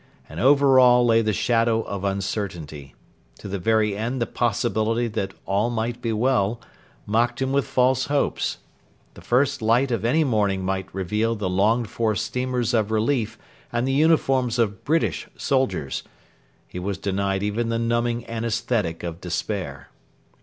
And over all lay the shadow of uncertainty. To the very end the possibility that 'all might be well' mocked him with false hopes. The first light of any morning might reveal the longed for steamers of relief and the uniforms of British soldiers. He was denied even the numbing anaesthetic of despair.